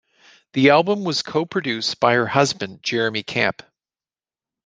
The album was co-produced by her husband Jeremy Camp.